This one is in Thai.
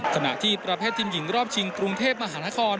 ขณะที่ประเภททีมหญิงรอบชิงกรุงเทพมหานคร